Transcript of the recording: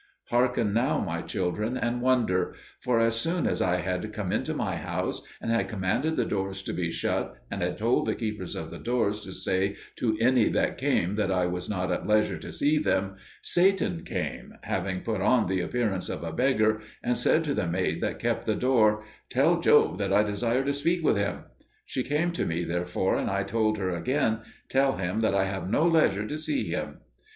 Hearken now, my children, and wonder; for as soon as I had come into my house, and had commanded the doors to be shut, and had told the keepers of the doors to say to any that came that I was not at leisure to see them, Satan came, having put on the appearance of a beggar, and said to the maid that kept the door, "Tell Job that I desire to speak with him." She came to me, therefore, and I told her again, "Tell him that I have no leisure to see him."